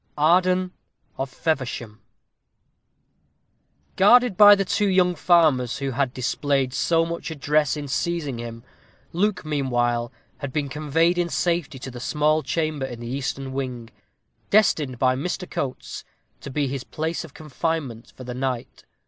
Arden of Feversham. Guarded by the two young farmers who had displayed so much address in seizing him, Luke, meanwhile, had been conveyed in safety to the small chamber in the eastern wing, destined by Mr. Coates to be his place of confinement for the night.